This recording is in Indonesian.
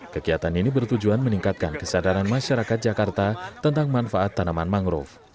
kegiatan ini bertujuan meningkatkan kesadaran masyarakat jakarta tentang manfaat tanaman mangrove